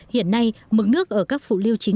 hiện nay mực nước ở các phụ liêu chính